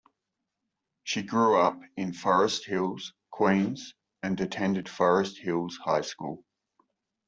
She grew up in Forest Hills, Queens, and attended Forest Hills High School.